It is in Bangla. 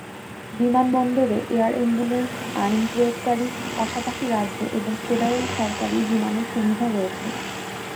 বিমানবন্দরে এয়ার অ্যাম্বুলেন্স, আইন প্রয়োগকারী, পাশাপাশি রাজ্য এবং ফেডারেল সরকারী বিমানের সুবিধা রয়েছে।